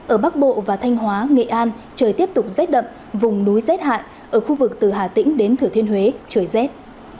ở bắc bộ và thanh hóa nghệ an trời tiếp tục rét đậm vùng núi rét hại ở khu vực từ hà tĩnh đến thử thiên huế trời rét